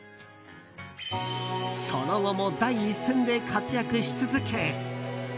その後も、第一線で活躍し続け